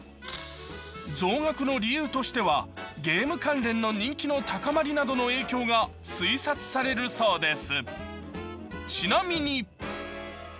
増額の理由としては、ゲーム関連の人気の高まりの影響が推察されるそうです。